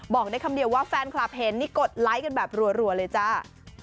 บอกได้คำเดียวว่าแฟนคลับเห็นนี่กดไลค์กันแบบรัวเลยจ้า